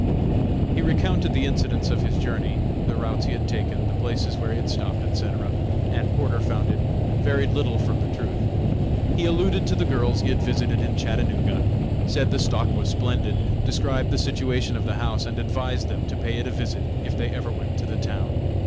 He recounted the incidents of his journey, the routes he had taken, the places where he had stopped, etc., and Porter found it varied little from the truth. He alluded to the girls he had visited in Chattanooga, said the stock was splendid, described the situation of the house and advised them to pay it a visit if they ever went to the town.